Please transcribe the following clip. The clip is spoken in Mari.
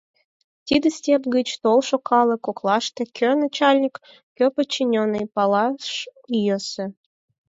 Тиде степь гыч толшо калык коклаште кӧ начальник, кӧ подчиненный – палаш йӧсӧ.